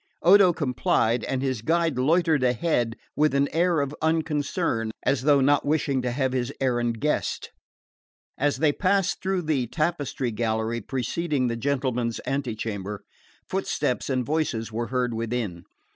Odo complied, and his guide loitered ahead with an air of unconcern, as though not wishing to have his errand guessed. As they passed through the tapestry gallery preceding the gentlemen's antechamber, footsteps and voices were heard within.